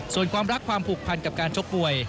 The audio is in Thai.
ส่วนความรักความผูกพันกับการชกมวย